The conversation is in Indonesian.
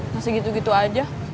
masih gitu gitu aja